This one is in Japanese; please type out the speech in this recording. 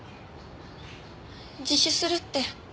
自首するって。